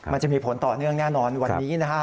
มันจะมีผลต่อเนื่องแน่นอนวันนี้นะฮะ